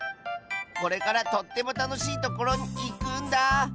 これからとってもたのしいところにいくんだ！